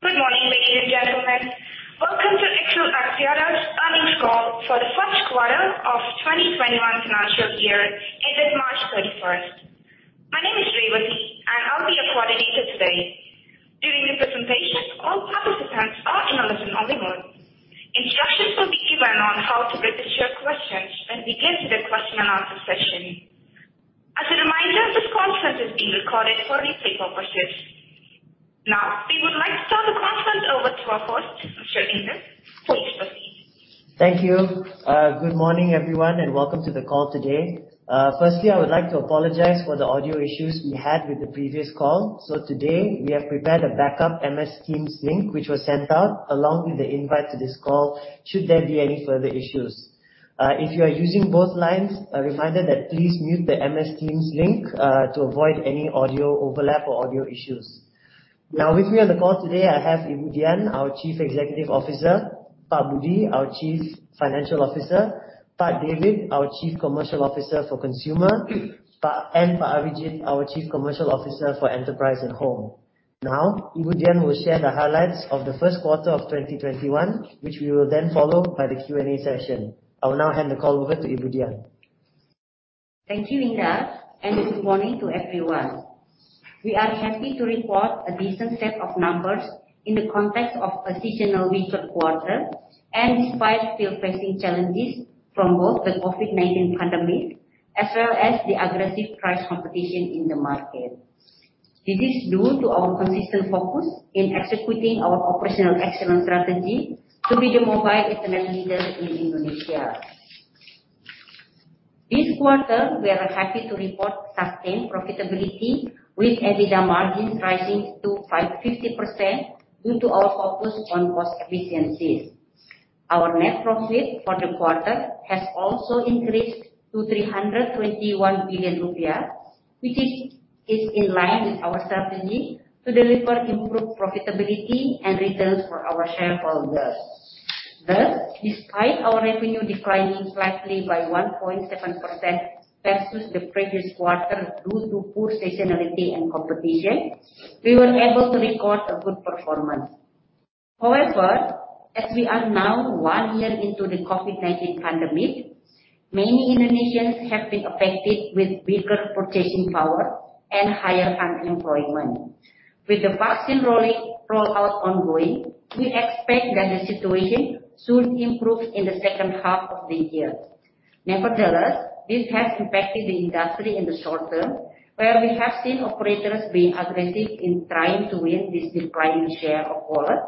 Good morning, ladies and gentlemen. Welcome to XL Axiata's earnings call for the first quarter of 2021 financial year ended March 31st. My name is Revathy, and I'll be your coordinator today. During the presentation, all participants are in a listen-only mode. Instructions will be given on how to register your questions when we get to the question and answer session. As a reminder, this conference is being recorded for replay purposes. Now, we would like to turn the conference over to our host, Mr. Indar. Please proceed. Thank you. Good morning, everyone, and welcome to the call today. I would like to apologize for the audio issues we had with the previous call. Today, we have prepared a backup MS Teams link, which was sent out along with the invite to this call, should there be any further issues. If you are using both lines, a reminder that please mute the MS Teams link to avoid any audio overlap or audio issues. With me on the call today, I have Ibu Dian, our Chief Executive Officer, Pak Budi, our Chief Financial Officer, Pak David, our Chief Commercial Officer for Consumer, and Pak Abhijit, our Chief Commercial Officer for Enterprise and Home. Ibu Dian will share the highlights of the first quarter of 2021, which we will then follow by the Q&A session. I will now hand the call over to Ibu Dian. Thank you, Indar, and good morning to everyone. We are happy to report a decent set of numbers in the context of a seasonal weaker quarter, and despite still facing challenges from both the COVID-19 pandemic, as well as the aggressive price competition in the market. This is due to our consistent focus in executing our operational excellence strategy to be the mobile internet leader in Indonesia. This quarter, we are happy to report sustained profitability with EBITDA margins rising to 50% due to our focus on cost efficiencies. Our net profit for the quarter has also increased to 321 billion rupiah, which is in line with our strategy to deliver improved profitability and returns for our shareholders. Despite our revenue declining slightly by 1.7% versus the previous quarter due to poor seasonality and competition, we were able to record a good performance. As we are now one year into the COVID-19 pandemic, many Indonesians have been affected with weaker purchasing power and higher unemployment. With the vaccine rollout ongoing, we expect that the situation should improve in the second half of the year. This has impacted the industry in the short term, where we have seen operators being aggressive in trying to win this declining share of wallet,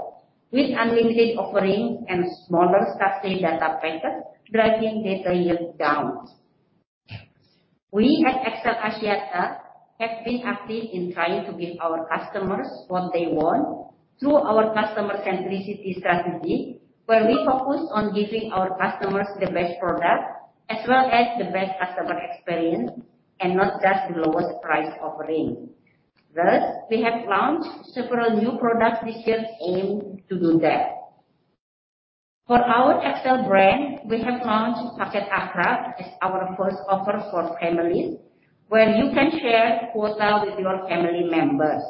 with unlimited offerings and smaller, subsidized data packets driving data yield down. We at XL Axiata have been active in trying to give our customers what they want through our customer centricity strategy, where we focus on giving our customers the best product as well as the best customer experience, and not just the lowest price offering. We have launched several new product initiatives aimed to do that. For our XL brand, we have launched Paket Akrab as our first offer for families, where you can share quota with your family members.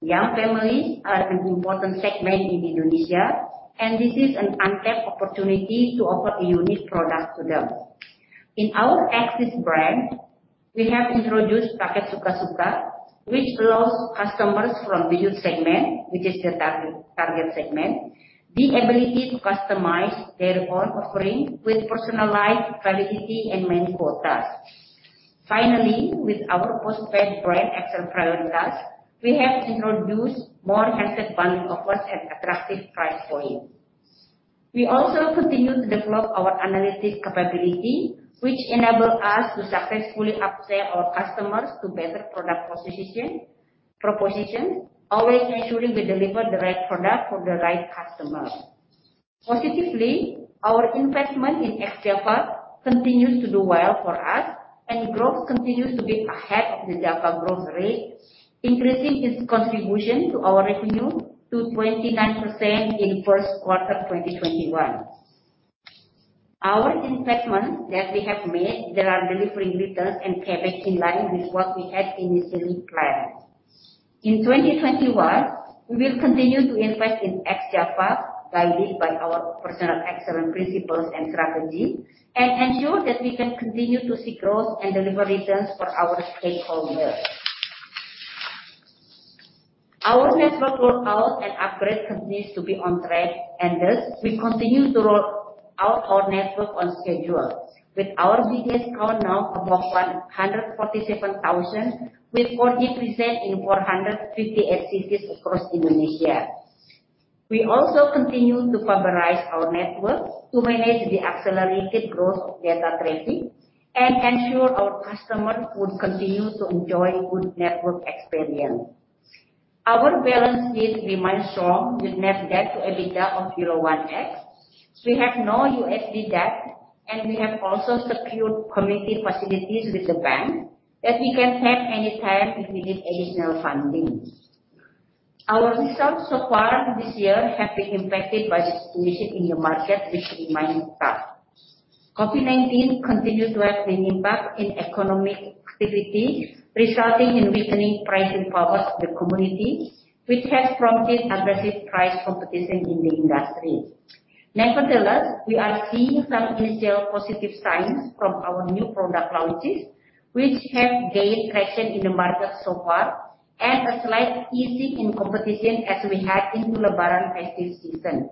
Young families are an important segment in Indonesia, and this is an untapped opportunity to offer a unique product to them. In our AXIS brand, we have introduced Paket Suka Suka, which allows customers from the youth segment, which is the target segment, the ability to customize their own offering with personalized validity and main quota. Finally, with our postpaid brand, XL PRIORITAS, we have introduced more handset bundling offers at attractive price points. We also continue to develop our analytics capability, which enable us to successfully upsell our customers to better product propositions, always ensuring we deliver the right product for the right customer. Positively, our investment in Ex-Java continues to do well for us, and growth continues to be ahead of the Java growth rate, increasing its contribution to our revenue to 29% in first quarter 2021. Our investments that we have made, they are delivering returns and payback in line with what we had initially planned. In 2021, we will continue to invest in Ex-Java, guided by our operational excellent principles and strategy, and ensure that we can continue to see growth and deliver returns for our stakeholders. Our network rollout and upgrade continues to be on track, and thus, we continue to roll out our network on schedule with our base count now above 147,000, with 40% in 450 cities across Indonesia. We also continue to fiberize our network to manage the accelerated growth of data traffic and ensure our customers will continue to enjoy good network experience. Our balance sheet remains strong, with net debt to EBITDA of 0.1x. We have no U.S. dollar debt, and we have also secured committed facilities with the bank that we can tap anytime if we need additional funding. Our results so far this year have been impacted by the situation in the market, which remains tough. COVID-19 continues to have an impact on economic activity, resulting in weakening purchasing power of the community, which has prompted aggressive price competition in the industry. Nevertheless, we are seeing some initial positive signs from our new product launches, which have gained traction in the market so far and a slight easing in competition as we head into Lebaran festive season.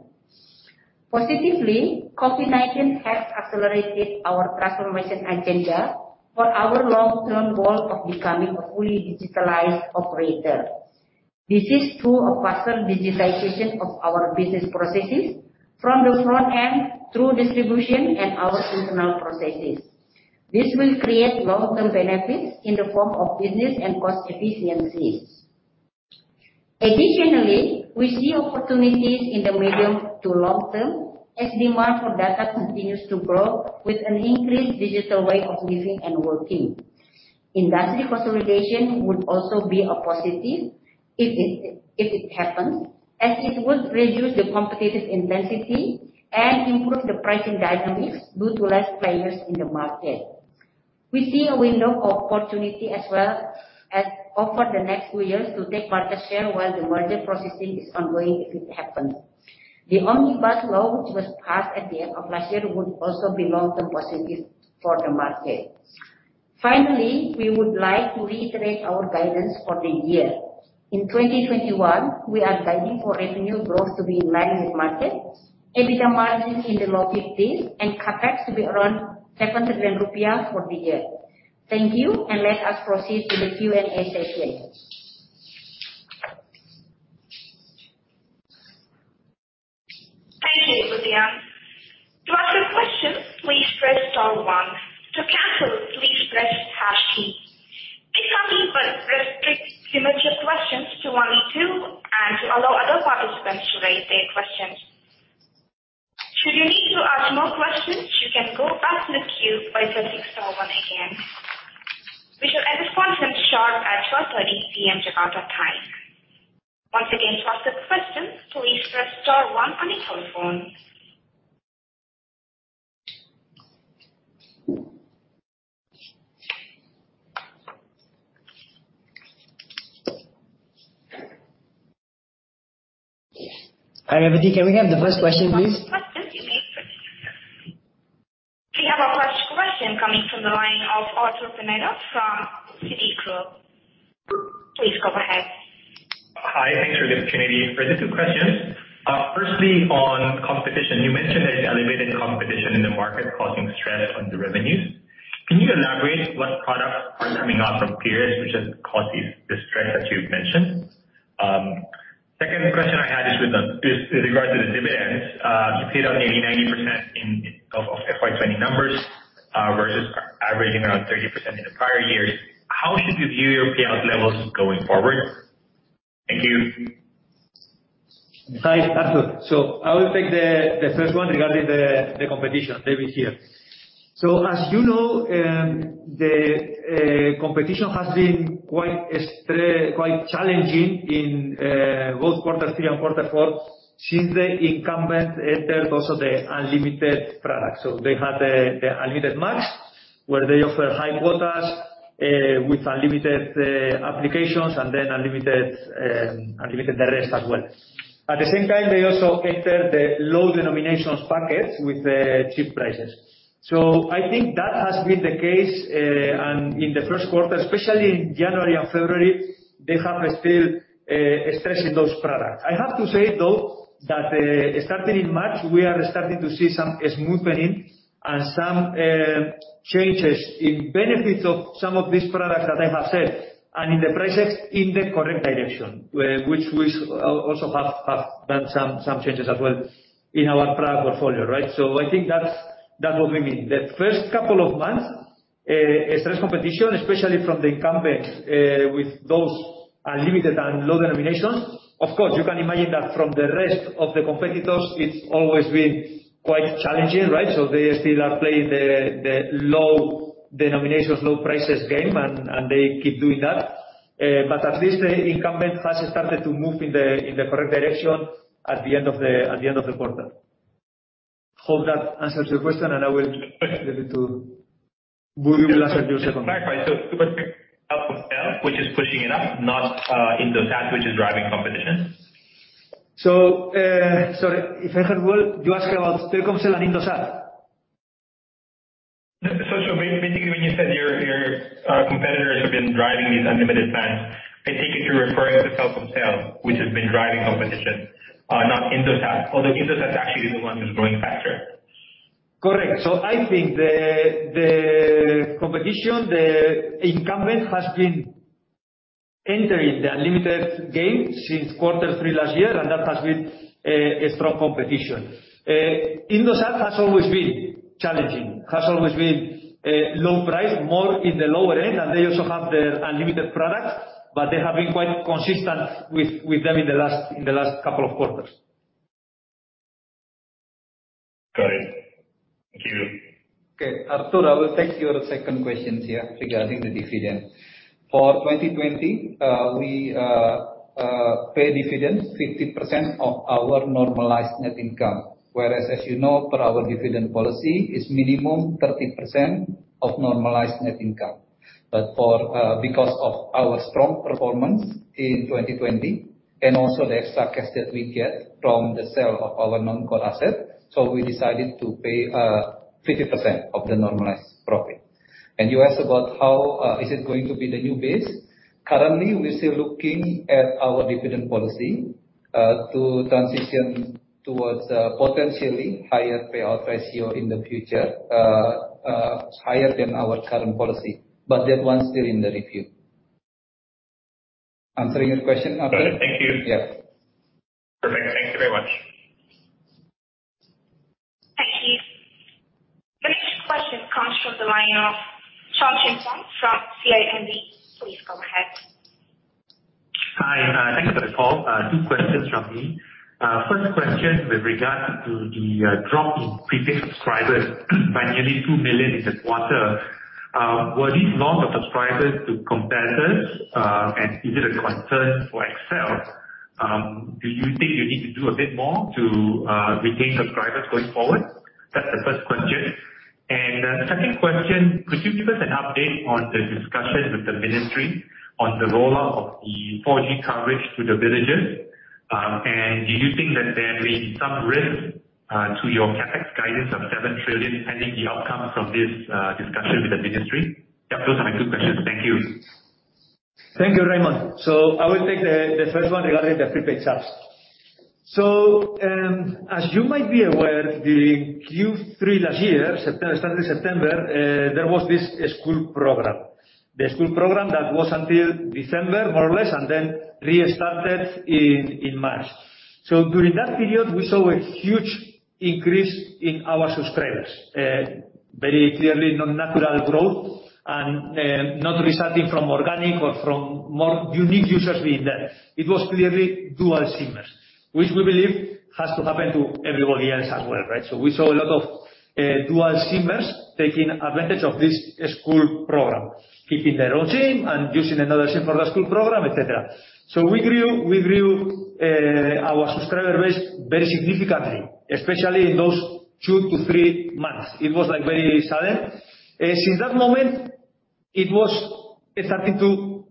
Positively, COVID-19 has accelerated our transformation agenda for our long-term goal of becoming a fully digitalized operator. This is through a faster digitization of our business processes from the front end through distribution and our internal processes. This will create long-term benefits in the form of business and cost efficiencies. Additionally, we see opportunities in the medium to long term as demand for data continues to grow with an increased digital way of living and working. Industry consolidation would also be a positive if it happens, as it would reduce the competitive intensity and improve the pricing dynamics due to less players in the market. We see a window of opportunity as well over the next few years to take market share while the merger processing is ongoing, if it happens. The Omnibus Law, which was passed at the end of last year, would also be long-term positive for the market. Finally, we would like to reiterate our guidance for the year. In 2021, we are guiding for revenue growth to be in line with market, EBITDA margin in the low 50%, and CapEx to be around 7 trillion rupiah for the year. Thank you. Let us proceed to the Q&A session. Thank you, Ibu Dian. To ask a question, please press star one. To cancel, please press hash key. If you need to restrict limited questions to only two and to allow other participants to raise their questions. Should you need to ask more questions, you can go back to the queue by pressing star one again. We shall end the conference sharp at 12:30 P.M. Jakarta Time. Once again, to ask a question, please press star one on your telephone. Hi, everybody. Can we have the first question, please? First question. You may proceed, sir. We have our first question coming from the line of Arthur Pineda from Citigroup. Please go ahead. Hi. Thanks for this opportunity. There are two questions. Firstly, on competition. You mentioned there's elevated competition in the market causing stress on the revenues. Can you elaborate what products are coming out from peers which has caused you the stress that you've mentioned? Second question I had is with regards to the dividends. You paid out nearly 90% of FY 2020 numbers, versus averaging around 30% in the prior years. How should we view your payout levels going forward? Thank you. Hi, Arthur. I will take the first one regarding the competition maybe here. As you know, the competition has been quite challenging in both quarter three and quarter four since the incumbent entered also the UnlimitedMAX product. They had the UnlimitedMAX, where they offer high quotas, with unlimited applications and then unlimited the rest as well. At the same time, they also entered the low denominations packets with cheap prices. I think that has been the case, and in the first quarter, especially in January and February, they have still stressing those products. I have to say, though, that starting in March, we are starting to see some smoothening and some changes in benefits of some of these products that I have said, and in the prices in the correct direction, which we also have done some changes as well in our product portfolio, right? I think that's what we mean. The first couple of months, a stress competition, especially from the incumbents, with those unlimited and low denominations. Of course, you can imagine that from the rest of the competitors, it's always been quite challenging, right? They still are playing the low denominations, low prices game, and they keep doing that. At least the incumbent has started to move in the correct direction at the end of the quarter. Hope that answers your question. We will answer your second one. Right. Telkomsel which is pushing it up, not Indosat which is driving competition. Sorry. If I heard well, you asked about Telkomsel and Indosat? Basically, when you said your competitors who've been driving these unlimited plans, I take it you're referring to Telkomsel, which has been driving competition, not Indosat, although Indosat's actually the one who's growing faster. Correct. I think the competition, the incumbent has been entering the unlimited game since quarter three last year, and that has been a strong competition. Indosat has always been challenging, has always been low price, more in the lower end, and they also have their unlimited products, but they have been quite consistent with them in the last couple of quarters. Got it. Thank you. Okay, Arthur, I will take your second question regarding the dividend. For 2020, we pay dividend 50% of our normalized net income. Whereas as you know, per our dividend policy, it's minimum 30% of normalized net income. Because of our strong performance in 2020 and also the extra cash that we get from the sale of our non-core asset, we decided to pay 50% of the normalized profit. You asked about how is it going to be the new base. Currently, we're still looking at our dividend policy, to transition towards potentially higher payout ratio in the future, higher than our current policy. That one's still in the review. Answering your question, Arthur? Got it. Thank you. Yeah. Perfect. Thank you very much. Thank you. The next question comes from the line of [Chen Fan Choong] from CIMB. Please go ahead. Hi. Thanks for the call. Two questions from me. First question with regard to the drop in prepaid subscribers by nearly two million in the quarter. Were these loss of subscribers to competitors, and is it a concern for XL? Do you think you need to do a bit more to retain subscribers going forward? That's the first question. Second question, could you give us an update on the discussion with the ministry on the rollout of the 4G coverage to the villages? Do you think that there may be some risk to your CapEx guidance of 7 trillion pending the outcome from this discussion with the ministry? Yeah, those are my two questions. Thank you. Thank you, Chen. I will take the first one regarding the prepaid subs. As you might be aware, the Q3 last year, starting September, there was this School program. The School program that was until December, more or less, and then restarted in March. During that period, we saw a huge increase in our subscribers. Very clearly non-natural growth and not resulting from organic or from more unique users being there. It was clearly dual SIM-ers, which we believe has to happen to everybody else as well, right? We saw a lot of dual SIM-ers taking advantage of this School program. Keeping their own SIM and using another SIM for the School program, et cetera. We grew our subscriber base very significantly, especially in those two to three months. It was very sudden. Since that moment, it was starting to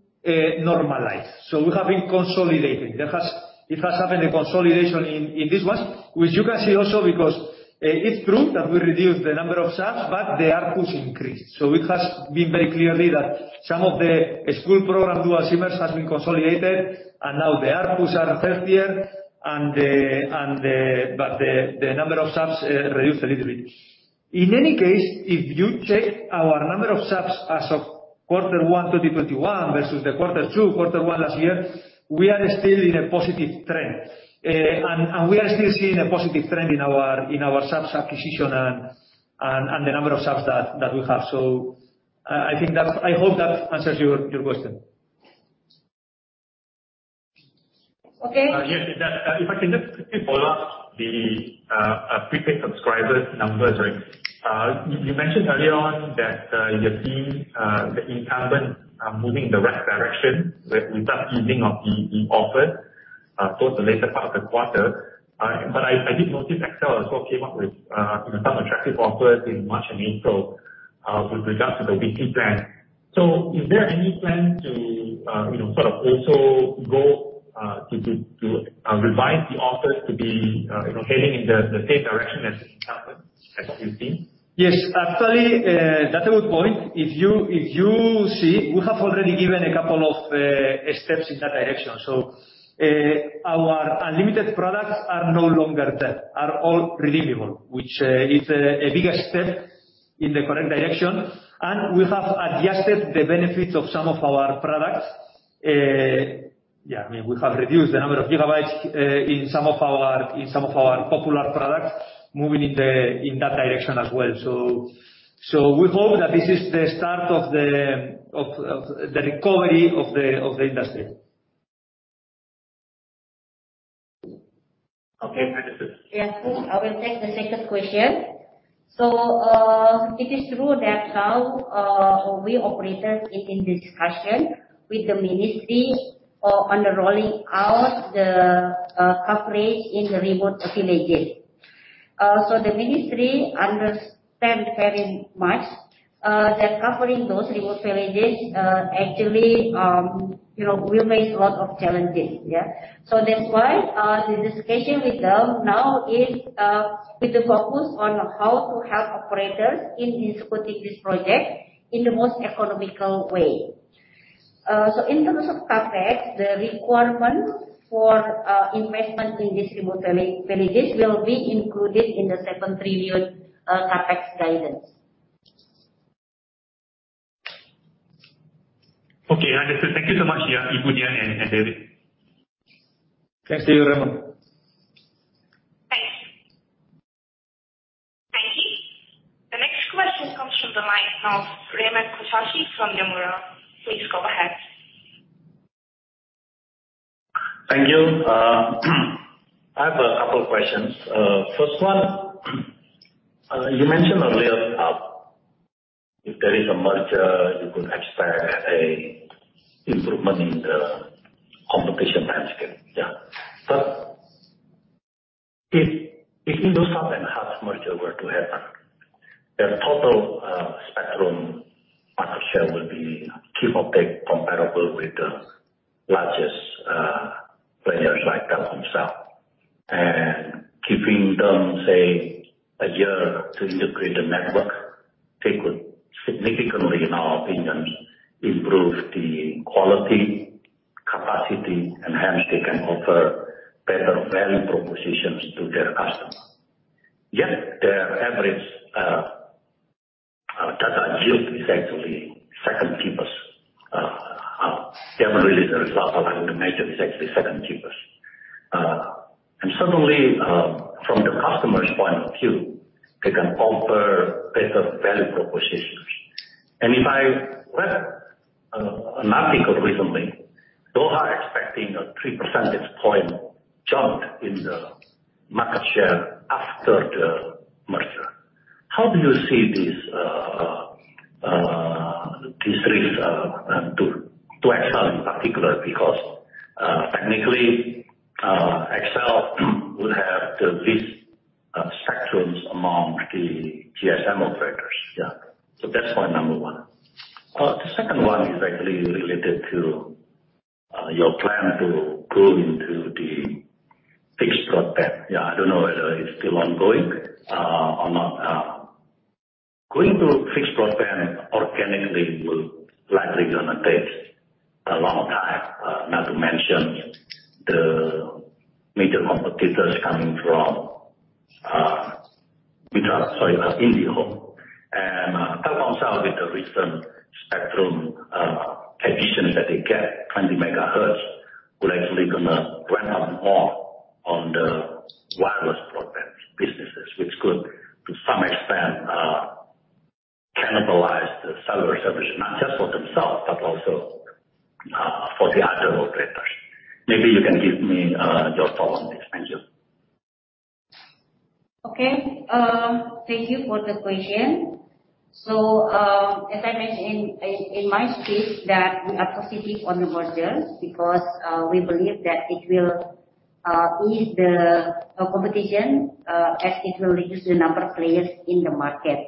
normalize. We have been consolidating. It has happened, the consolidation in this one, which you can see also because it's true that we reduced the number of subs, but the ARPUs increased. It has been very clearly that some of the School program dual SIM-ers has been consolidated, and now the ARPUs are healthier, but the number of subs reduced a little bit. In any case, if you check our number of subs as of quarter one 2021 versus the quarter two, quarter one last year, we are still in a positive trend. We are still seeing a positive trend in our subs acquisition and the number of subs that we have. I hope that answers your question. Okay. Yes. If I can just quickly follow up the prepaid subscribers numbers. You mentioned earlier on that you're seeing the incumbents are moving in the right direction without easing of the offer towards the later part of the quarter. I did notice XL also came up with some attractive offers in March and April, with regard to the weekly plan. Is there any plan to also go to revise the offers to be heading in the same direction as the incumbents, as you've seen? Yes. Actually, that's a good point. If you see, we have already given a couple of steps in that direction. Our unlimited products are no longer that, are all redeemable, which is a bigger step in the correct direction. We have adjusted the benefits of some of our products. Yeah, we have reduced the number of gigabytes in some of our popular products moving in that direction as well. We hope that this is the start of the recovery of the industry. Okay. Understood. Yeah. I will take the second question. It is true that now, we operators is in discussion with the ministry on the rolling out the coverage in the remote villages. The ministry understand very much that covering those remote villages actually will face a lot of challenges. Yeah. That's why the discussion with them now is with the focus on how to help operators in supporting this project in the most economical way. In terms of CapEx, the requirement for investment in these remote villages will be included in the 7 trillion CapEx guidance. Understood. Thank you so much, Ibu Dian and David. Thank you, Chen. Thank you. Thank you. The next question comes from the line of Raymond Kosasih from Nomura. Please go ahead. I have a couple questions. First one, you mentioned earlier, if there is a merger, you could expect an improvement in the competition landscape. Yeah. If Indosat and Hutchison merger were to happen, their total spectrum market share will be give or take comparable with the largest players like Telkomsel. Giving them, say, a year to integrate the network, they could significantly, in our opinions, improve the quality, capacity, and hence they can offer better value propositions to their customers. Their average data yield is actually second cheapest. They haven't released the result, but I can imagine it's actually second cheapest. Certainly, from the customer's point of view, they can offer better value propositions. If I read an article recently, they were expecting a 3 percentage point jump in the market share after the merger. How do you see this risk to XL in particular? Technically, XL would have the least spectrums among the GSM operators. That's point number one. The second one is actually related to your plan to go into the fixed broadband. I don't know whether it's still ongoing or not. Going to fixed broadband organically will likely gonna take a long time, not to mention the major competitors coming from Mitratel, IndiHome. Telkomsel with the recent spectrum additions that they get, 20 MHz, will actually gonna ramp up more on the wireless broadband businesses, which could, to some extent, cannibalize the cellular service, not just for themselves but also for the other operators. Maybe you can give me your thoughts on this. Thank you. Okay. Thank you for the question. As I mentioned in my speech that we are positive on the merger because we believe that it will ease the competition, as it will reduce the number of players in the market.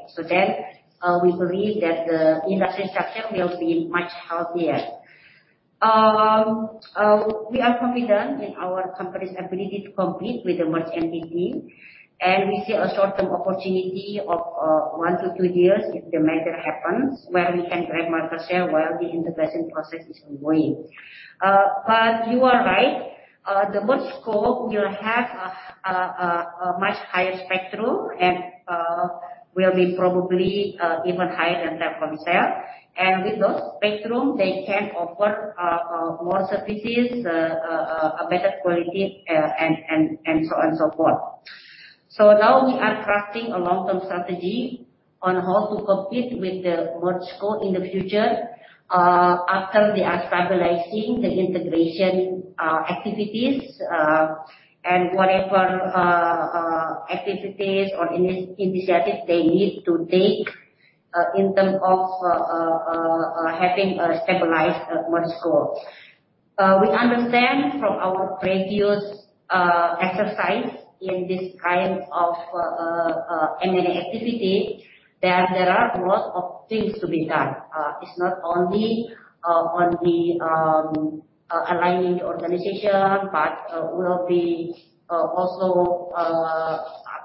We believe that the industry structure will be much healthier. We are confident in our company's ability to compete with the merged entity, and we see a short-term opportunity of one to two years if the merger happens, where we can grab market share while the integration process is ongoing. You are right, the merged entity will have a much higher spectrum, and will be probably even higher than Telkomsel. With those spectrum, they can offer more services, a better quality, and so on, so forth. Now we are crafting a long-term strategy on how to compete with the merged co in the future, after they are stabilizing the integration activities, and whatever activities or initiatives they need to take in terms of having stabilized merged co. We understand from our previous exercise in this kind of M&A activity, that there are a lot of things to be done. It's not only on the aligning the organization, but will be also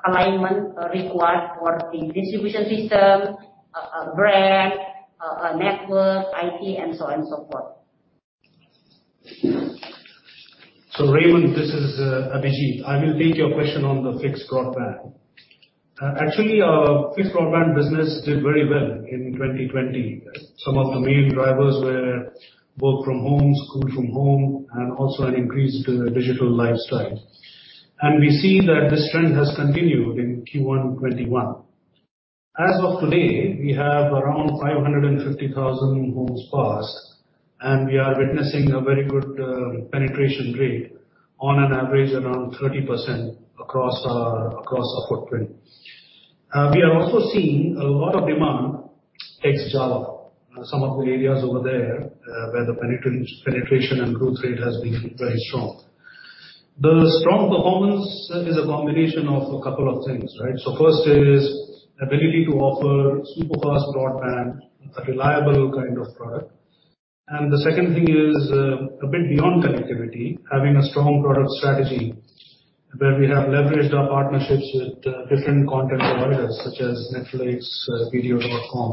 alignment required for the distribution system, brand, network, IT, and so on, and so forth. Raymond, this is Abhijit. I will take your question on the fixed broadband. Actually, our fixed broadband business did very well in 2020. Some of the main drivers were work from home, school from home, and also an increased digital lifestyle. We see that this trend has continued in Q1 2021. As of today, we have around 550,000 homes passed, and we are witnessing a very good penetration rate on an average around 30% across our footprint. We are also seeing a lot of demand Ex-Java, some of the areas over there, where the penetration and growth rate has been very strong. The strong performance is a combination of a couple of things, right? First is ability to offer super fast broadband, a reliable kind of product. The second thing is, a bit beyond connectivity, having a strong product strategy where we have leveraged our partnerships with different content providers such as Netflix, vidio.com,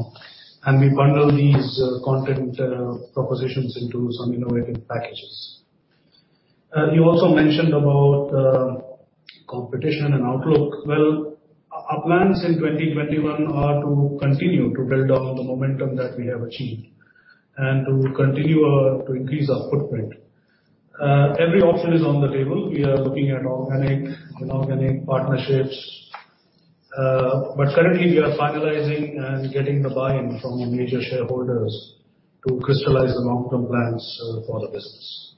and we bundle these content propositions into some innovative packages. You also mentioned about competition and outlook. Well, our plans in 2021 are to continue to build on the momentum that we have achieved and to continue to increase our footprint. Every option is on the table. We are looking at organic, inorganic partnerships Currently, we are finalizing and getting the buy-in from major shareholders to crystallize the long-term plans for the business.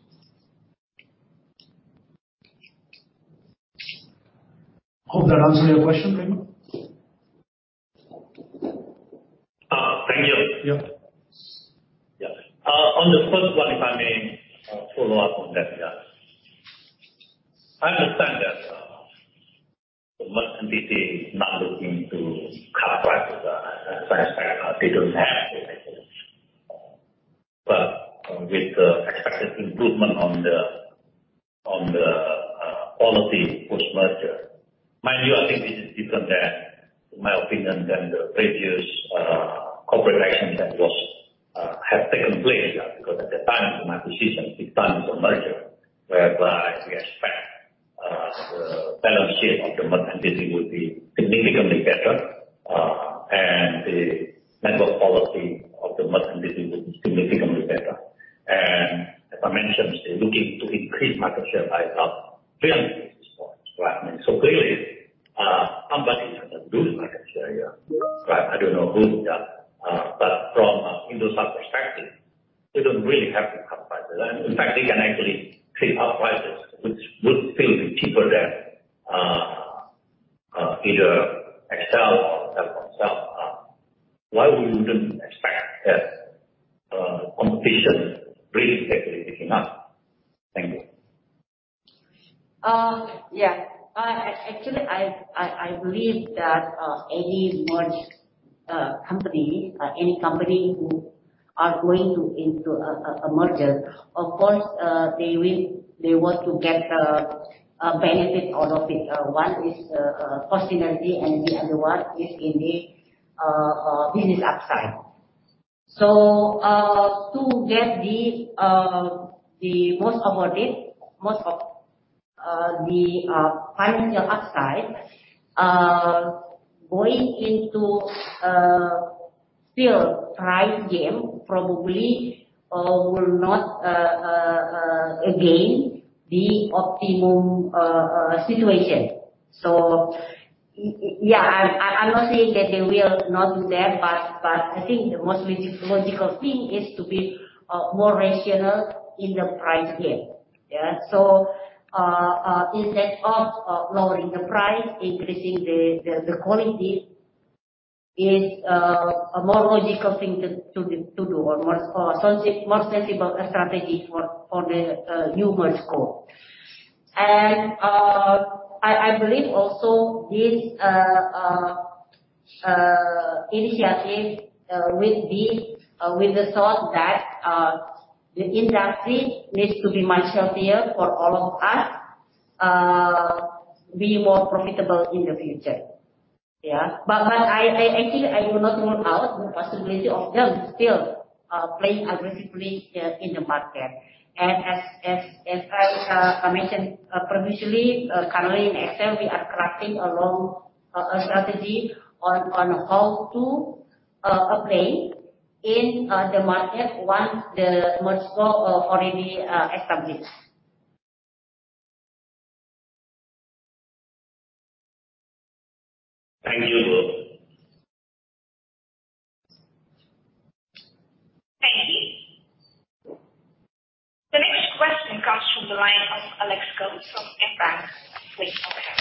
Hope that answered your question, Raymond? Thank you. Yeah. Yeah. On the first one, if I may follow up on that. I understand that the merged entity is not looking to cut prices as such because they don't have to, I suppose. With the expected improvement on the quality post-merger, my view, I think this is different than, to my opinion, than the previous corporate actions that have taken place. At that time, my position, it's time for merger, whereby we expect the balance sheet of the merged entity would be significantly better, and the network quality of the merged entity would be significantly better. As I mentioned, they're looking to increase market share by about 300 basis points, right? Clearly, somebody is going to lose market share here, right? I don't know who. From Indosat perspective, they don't really have to cut prices. In fact, they can actually increase our prices, which would still be cheaper than either XL or Telkomsel. Why we wouldn't expect that competition really actually picking up? Thank you. Yeah. Actually, I believe that any merged company or any company who are going into a merger, of course, they want to get a benefit out of it. One is cost synergy, and the other one is in the business upside. To get the most of the financial upside, going into still price game probably will not again be optimum situation. Yeah, I'm not saying that they will not do that, but I think the most logical thing is to be more rational in the price game. Yeah. Instead of lowering the price, increasing the quality is a more logical thing to do or more sensible strategy for the new merged co. I believe also this initiative will be with the thought that the industry needs to be much healthier for all of us, be more profitable in the future. Yeah. I think I will not rule out the possibility of them still playing aggressively in the market. As I mentioned previously, currently in XL, we are crafting a strategy on how to play in the market once the merged co already established. Thank you. Thank you. The next question comes from the line of Alex Goh from UOB Kay Hian.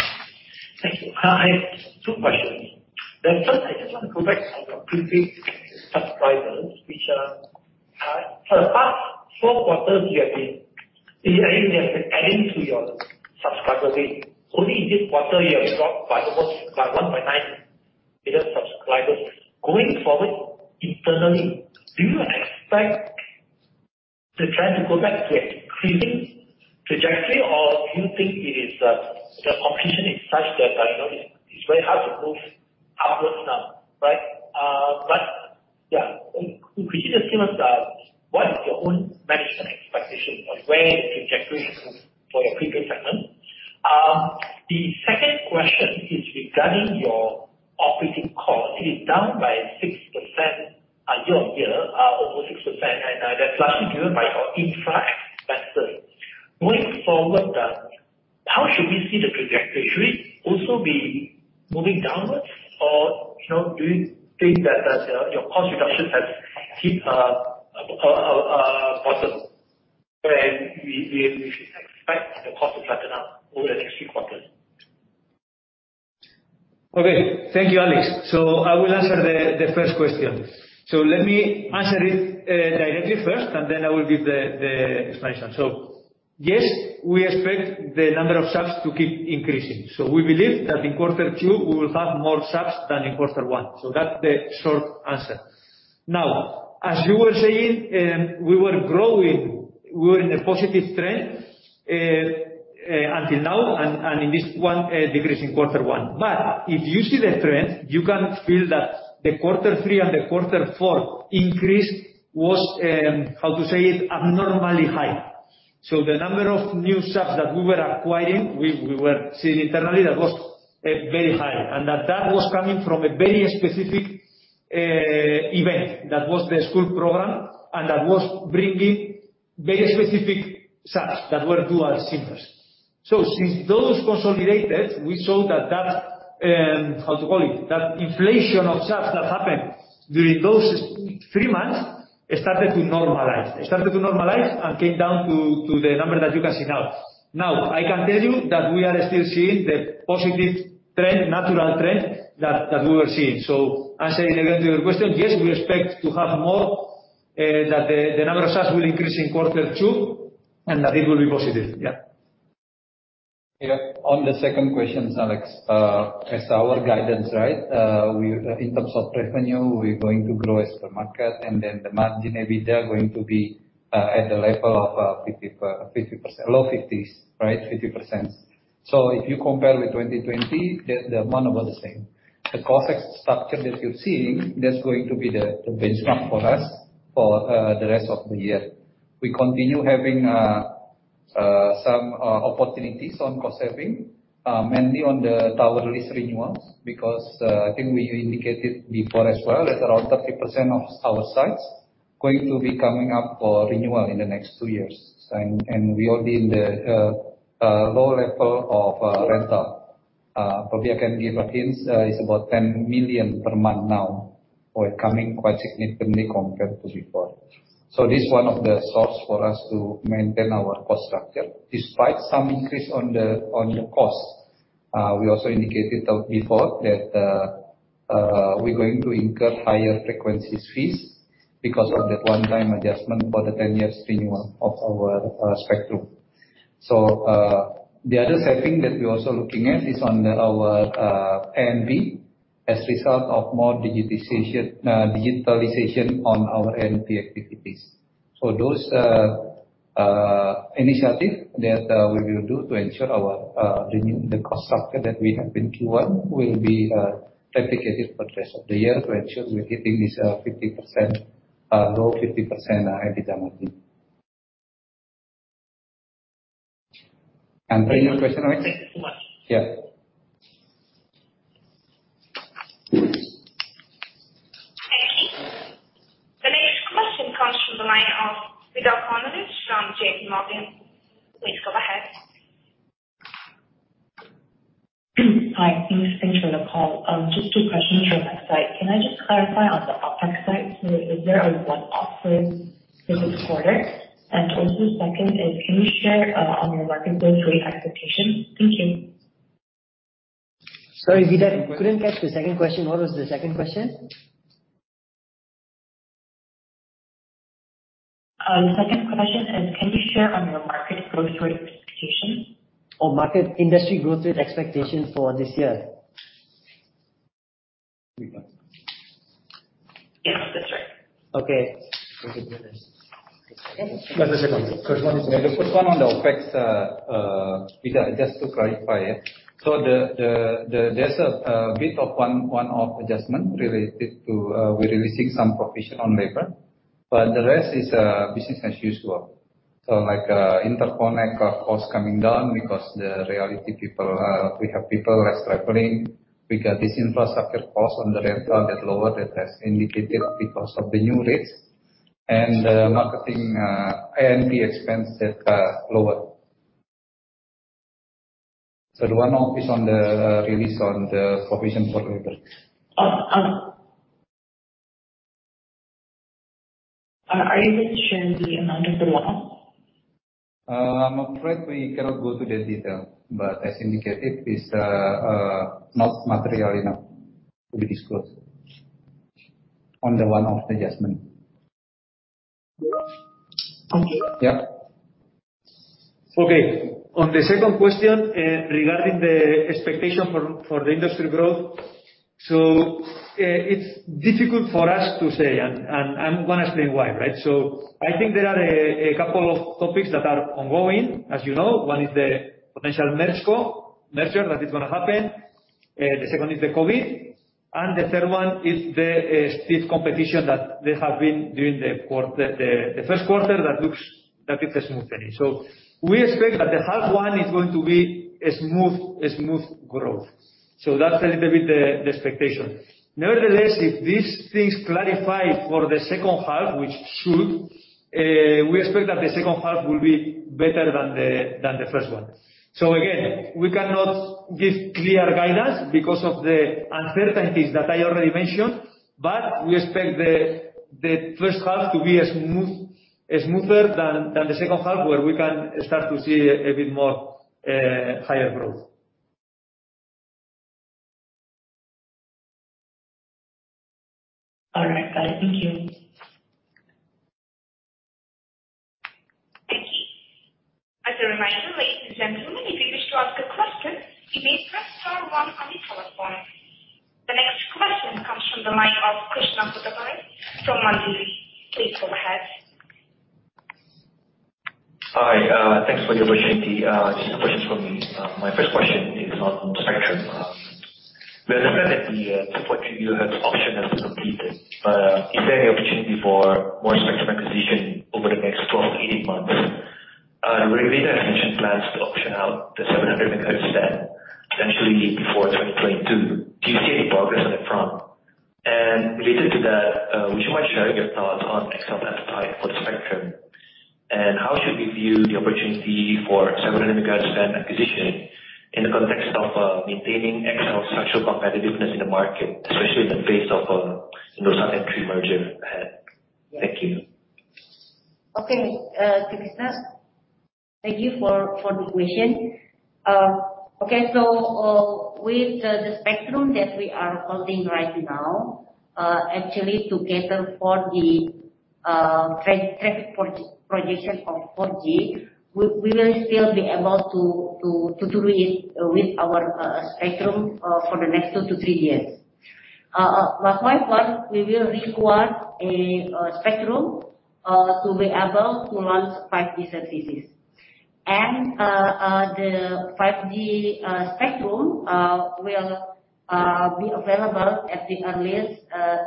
Thank you. I have two questions. The first, I just want to go back on your prepaid subscribers, which are for the past four quarters, you have been adding to your subscriber base. Only in this quarter you have dropped by almost about 1.9 million subscribers. Going forward internally, do you expect the trend to go back to increasing trajectory, or do you think the competition is such that it's very hard to move upwards now, right? Could you just give us what is your own management expectation of where the trajectory is for your prepaid segment? The second question is regarding your operating cost. It is down by 6% year-over-year, almost 6%, and that's largely driven by your infra CapEx. Going forward, how should we see the trajectory? Should it also be moving downwards, or do you think that your cost reductions have hit a bottom where we should expect the cost to flatten out over the next few quarters? Okay. Thank you, Alex. I will answer the first question. Let me answer it directly first. I will give the explanation. Yes, we expect the number of subs to keep increasing. We believe that in quarter two we will have more subs than in quarter one. That's the short answer. Now, as you were saying, we were growing. We were in a positive trend until now, and in this one decrease in quarter one. If you see the trend, you can feel that the quarter three and the quarter four increase was, how to say it, abnormally high. The number of new subs that we were acquiring, we were seeing internally that was very high, and that was coming from a very specific event that was the School program, and that was bringing very specific subs that were dual simmers. Since those consolidated, we saw that inflation of subs that happened during those three months started to normalize. It started to normalize and came down to the number that you can see now. I can tell you that we are still seeing the positive trend, natural trend that we were seeing. Answering directly to your question, yes, we expect to have more, that the number of subs will increase in quarter two and that it will be positive. Yeah. On the second question, Alex, as our guidance, right? In terms of revenue, we're going to grow as the market and then the margin EBITDA going to be at the level of low 50%s. 50%. If you compare with 2020, the amount was the same. The cost structure that you're seeing, that's going to be the benchmark for us for the rest of the year. We continue having some opportunities on cost saving, mainly on the tower lease renewals because I think we indicated before as well that around 30% of our sites going to be coming up for renewal in the next two years. We already in the low level of rental. Probably I can give a hint, it's about 10 million per month now. We're coming quite significantly compared to before. This is one of the source for us to maintain our cost structure despite some increase on the cost. We also indicated before that we're going to incur higher frequencies fees because of that one-time adjustment for the 10-year streaming of our spectrum. The other saving that we're also looking at is on our A&P as result of more digitalization on our A&P activities. Those initiative that we will do to ensure the cost structure that we have in Q1 will be replicated for the rest of the year to ensure we're hitting this low 50% EBITDA margin. Any other question, Alex? Thank you so much. Yeah. Thank you. The next question comes from the line of [Vidya Kannan] from JPMorgan. Please go ahead. Hi. Thanks for the call. Just two questions from my side. Can I just clarify on the OpEx side, is there a one-off for this quarter? Second is can you share on your market growth rate expectations? Thank you. Sorry, Vidya. Couldn't catch the second question. What was the second question? The second question is, can you share on your market growth rate expectations? Oh, market industry growth rate expectations for this year. Yes, that's right. Okay. Let the second one. The first one on the OpEx, Vidya Kannan, just to clarify it. There's a bit of one-off adjustment related to we're releasing some provision on labor, but the rest is business as usual. Like interconnect cost coming down because the reality we have people less traveling. We got this infrastructure cost on the rental that lowered that has indicated because of the new rates and the marketing A&P expense that lowered. One-off is on the release on the provision for labor. Are you able to share the amount of the one-off? I'm afraid we cannot go to the detail, but as indicated, it's not material enough to be disclosed on the one-off adjustment. Thank you. Yeah. Okay. On the second question regarding the expectation for the industry growth. It's difficult for us to say, and I'm going to explain why, right? I think there are a couple of topics that are ongoing, as you know. One is the potential merger that is going to happen. The second is the COVID-19. The third one is the stiff competition that there have been during the first quarter that looks that it has smoothened. We expect that the half one is going to be a smooth growth. That's a little bit the expectation. Nevertheless, if these things clarify for the second half, which should, we expect that the second half will be better than the first one. Again, we cannot give clear guidance because of the uncertainties that I already mentioned. We expect the first half to be smoother than the second half where we can start to see a bit more higher growth. All right. Got it. Thank you. Thank you. As a reminder, ladies and gentlemen, if you wish to ask a question, you may press star one on your telephone. The next question comes from the line of [Krishna Pudupatti from Maybank. Please go ahead. Hi. Thanks for the opportunity. Just two questions from me. My first question is on spectrum. We understand that the 2.3 GHz auction has been completed, is there any opportunity for more spectrum acquisition over the next 12-18 months? Regita mentioned plans to auction out the 700 MHz band, essentially before 2022. Do you see any progress on that front? Related to that, would you mind sharing your thoughts on XL's appetite for the spectrum? How should we view the opportunity for 700 MHz band acquisition in the context of maintaining XL's structural competitiveness in the market, especially in the face of Indosat merger ahead? Thank you. Okay. Thank you for the question. With the spectrum that we are holding right now, actually to cater for the traffic projection of 4G, we will still be able to do it with our spectrum for the next two to three years. At one point, we will require a spectrum to be able to launch 5G services. The 5G spectrum will be available at the earliest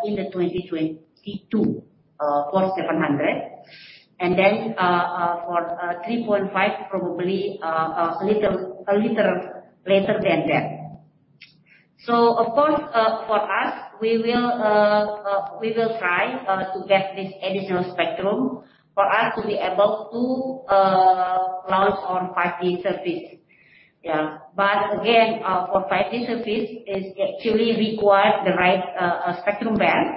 in the 2022 for 700 MHz. For 3.5 GHz, probably a little later than that. Of course for us, we will try to get this additional spectrum for us to be able to launch on 5G service. Again, for 5G service, it actually requires the right spectrum band.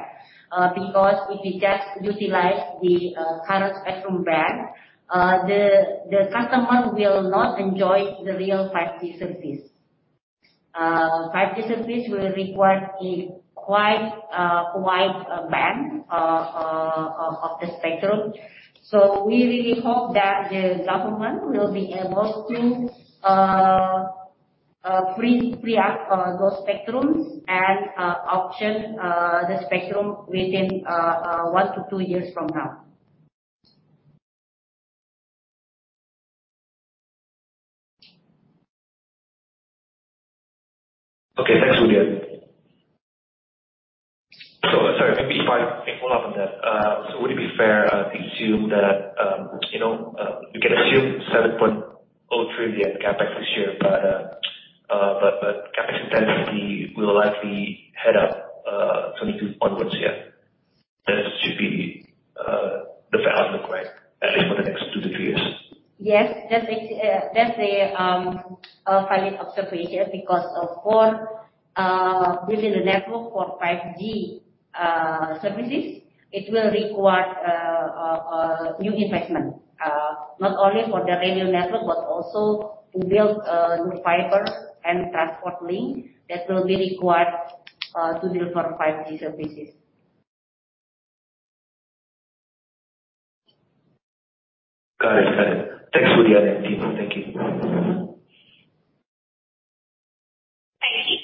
Because if we just utilize the current spectrum band, the customer will not enjoy the real 5G services. 5G services will require a quite wide band of the spectrum. We really hope that the government will be able to free up those spectrums and auction the spectrum within one to two years from now. Okay. Thanks, Ibu Dian. Sorry, maybe if I can follow up on that. Would it be fair to assume that we can assume 7.0 trillion CapEx this year, but CapEx intensity will likely head up 2022 onwards, yeah? That should be the fair outlook, right? At least for the next two to three years. Yes. That's a valid observation because for building the network for 5G services, it will require new investment. Not only for the radio network, but also to build new fiber and transport link that will be required to deliver 5G services. Got it. Thanks, Ibu Dian and team. Thank you. Thank you.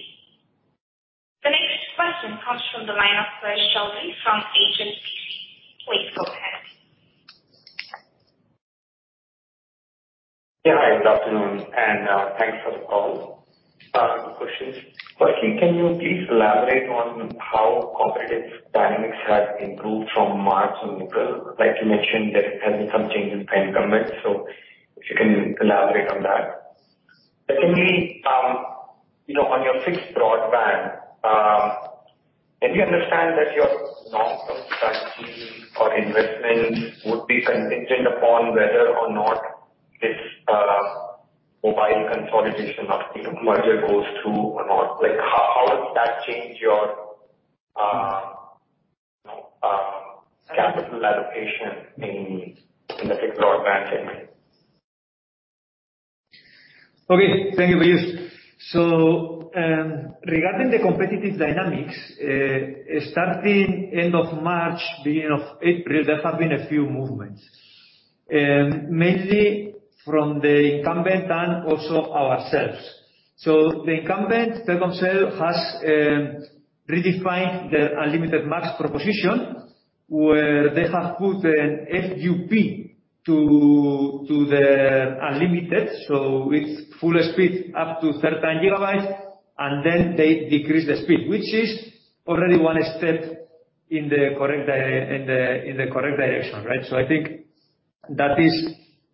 The next question comes from the line of Piyush Choudhary from HSBC. Please go ahead. Yeah. Good afternoon, thanks for the call. Two questions. Firstly, can you please elaborate on how competitive dynamics have improved from March and April? Like you mentioned, there has been some change in incumbents. If you can elaborate on that. Secondly, on your fixed broadband, can we understand that your long-term strategy or investments would be contingent upon whether or not this mobile consolidation of merger goes through or not? How does that change your capital allocation in the fixed broadband segment? Thank you, Piyush. Regarding the competitive dynamics, starting end of March, beginning of April, there have been a few movements. Mainly from the incumbent and also ourselves. The incumbent, Telkomsel, has redefined their UnlimitedMAX proposition, where they have put an FUP to the unlimited. It's full speed up to 30 GB, and then they decrease the speed. Which is already one step in the correct direction, right? I think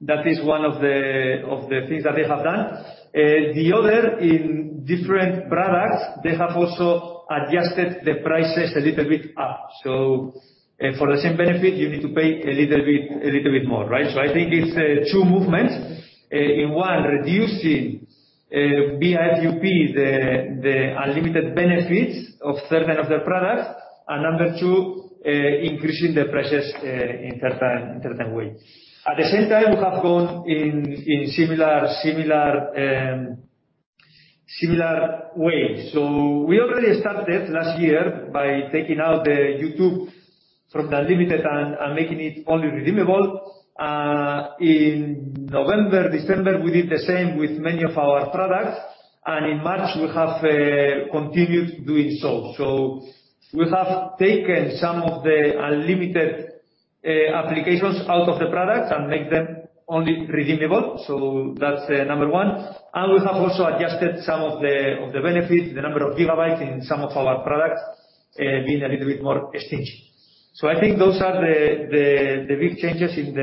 that is one of the things that they have done. The other, in different products, they have also adjusted the prices a little bit up. For the same benefit, you need to pay a little bit more, right? I think it's two movements. In one, reducing via FUP the unlimited benefits of certain of their products. Number two, increasing the prices in certain way. At the same time, we have gone in similar ways. We already started last year by taking out the YouTube from the unlimited and making it only redeemable. In November, December, we did the same with many of our products, and in March we have continued doing so. We have taken some of the unlimited applications out of the products and make them only redeemable. That's number one. We have also adjusted some of the benefits, the number of gigabytes in some of our products, being a little bit more stingy. I think those are the big changes in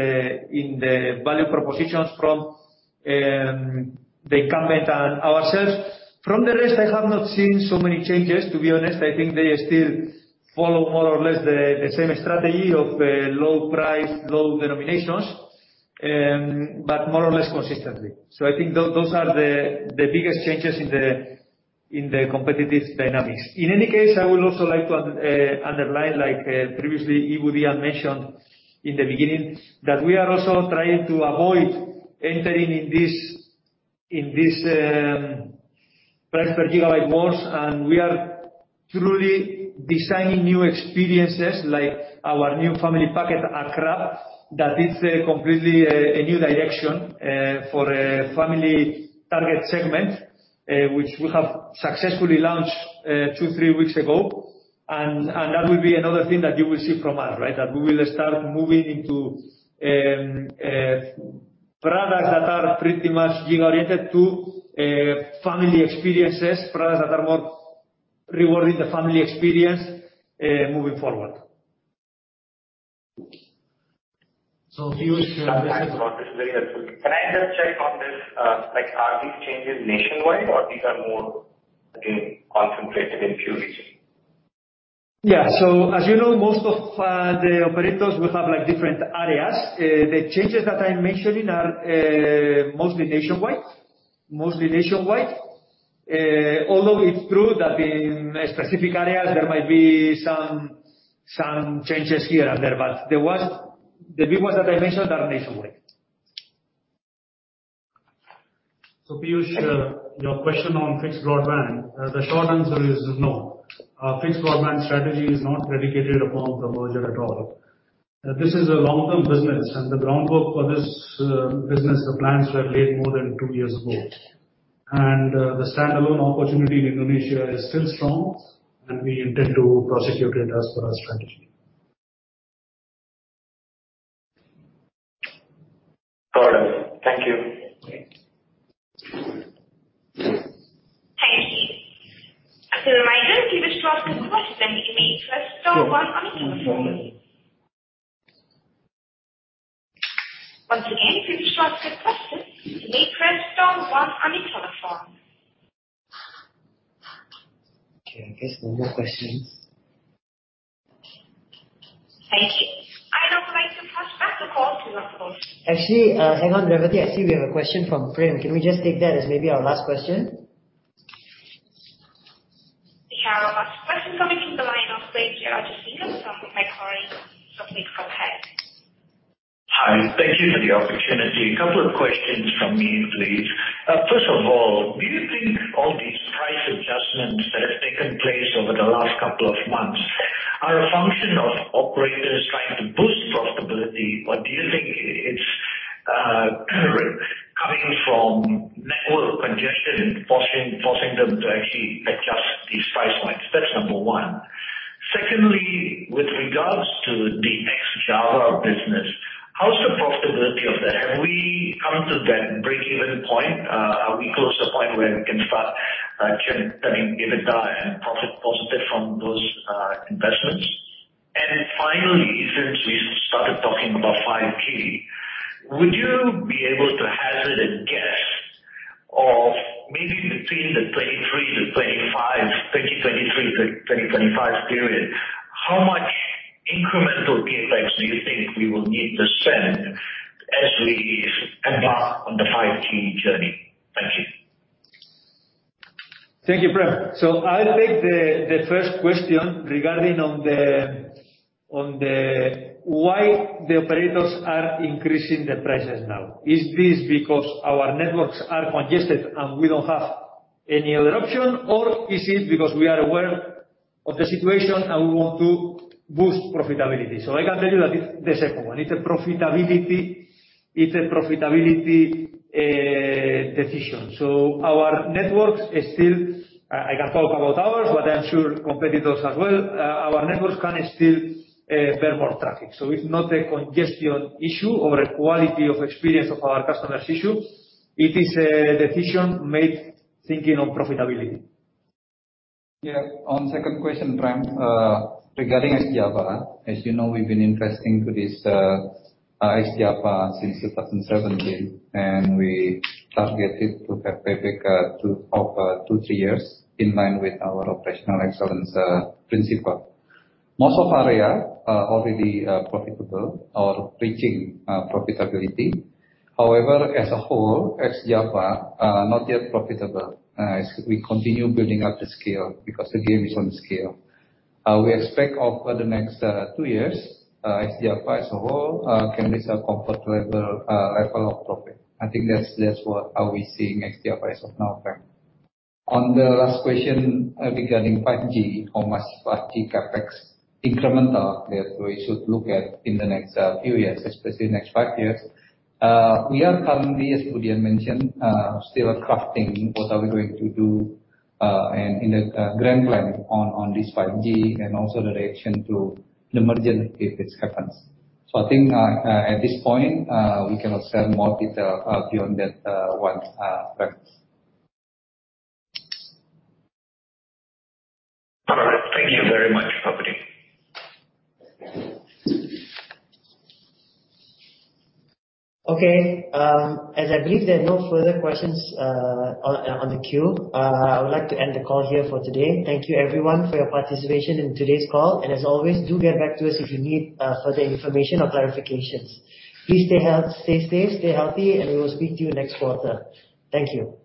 the value propositions from the incumbent and ourselves. From the rest, I have not seen so many changes, to be honest. I think they still follow more or less the same strategy of low price, low denominations, but more or less consistently. I think those are the biggest changes in the competitive dynamics. In any case, I would also like to underline, like previously Ibu Dian mentioned in the beginning, that we are also trying to avoid entering in this price per gigabyte wars, and we are truly designing new experiences like our new family Paket Akrab. That is completely a new direction for a family target segment, which we have successfully launched two, three weeks ago. That will be another thing that you will see from us. That we will start moving into products that are pretty much gig-oriented to family experiences, products that are more rewarding the family experience moving forward. Piyush. Thanks a lot. This is very helpful. Can I just check on this, are these changes nationwide or these are more concentrated in few regions? Yeah. As you know, most of the operators will have different areas. The changes that I am mentioning are mostly nationwide. Although it is true that in specific areas there might be some changes here and there, the big ones that I mentioned are nationwide. Piyush, your question on fixed broadband, the short answer is no. Our fixed broadband strategy is not predicated upon the merger at all. This is a long-term business and the groundwork for this business, the plans, were laid more than two years ago. The standalone opportunity in Indonesia is still strong, and we intend to prosecute it as per our strategy. Got it. Thank you. Thank you. As a reminder, if you wish to ask a question, you may press star one on your telephone. Once again, if you wish to ask a question, you may press star one on your telephone. Okay, I guess no more questions. Thank you. I'd now like to flashback the call to. Actually, hang on, Revathy. I see we have a question from Prem. Can we just take that as maybe our last question? We have our last question coming from the line of Prem Jearajasingam from Macquarie Capital. Hi. Thank you for the opportunity. A couple of questions from me, please. First of all, do you think all these price adjustments that have taken place over the last couple of months are a function of operators trying to boost profitability or do you think it's coming from network congestion forcing them to actually adjust these price points? That's number one. Secondly, with regards to the Ex-Java business, how's the profitability of that? Have we come to that breakeven point? Are we close to the point where we can start turning EBITDA and profit positive from those investments? Finally, since we started talking about 5G, would you be able to hazard a guess of maybe between the 2023 to 2025 period, how much incremental CapEx do you think we will need to spend as we embark on the 5G journey? Thank you. Thank you, Prem. I'll take the first question regarding on the why the operators are increasing the prices now. Is this because our networks are congested and we don't have any other option, or is it because we are aware of the situation and we want to boost profitability? I can tell you that it's the second one. It's a profitability decision. Our networks is still I can talk about ours, but I'm sure competitors as well. Our networks can still bear more traffic, it's not a congestion issue or a quality of experience of our customers issue. It is a decision made thinking of profitability. Yeah. On second question, Prem, regarding Ex-Java. As you know, we've been investing to this Ex-Java since 2017, and we targeted to have payback over two, three years in line with our operational excellence principle. Most of area are already profitable or reaching profitability. However, as a whole Ex-Java are not yet profitable as we continue building up the scale because the game is on scale. We expect over the next two years, Ex-Java as a whole can reach a comfortable level of profit. I think that's what are we seeing Ex-Java as of now, Prem. On the last question regarding 5G, how much 5G CapEx incremental that we should look at in the next few years, especially next five years. We are currently, as Ibu Dian mentioned, still crafting what are we going to do, in the grand plan on this 5G and also the reaction to the merger if it happens. I think, at this point, we cannot share more detail beyond that one, Prem. All right. Thank you very much, Pak Budi. Okay. As I believe there are no further questions on the queue, I would like to end the call here for today. Thank you everyone for your participation in today's call. As always, do get back to us if you need further information or clarifications. Please stay safe, stay healthy, and we will speak to you next quarter. Thank you.